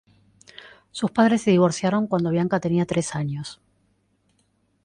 Sus padres se divorciaron cuando Bianca tenía tres años.